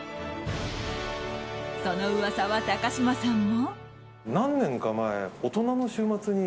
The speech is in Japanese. その噂は、高嶋さんも。